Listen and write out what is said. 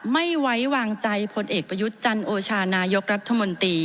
ไม่ไว้วางใจพลเอกประยุทธ์จันโอชานายกรัฐมนตรี